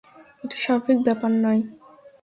এটা স্বাভাবিক ব্যাপার নয়, রবার্ট।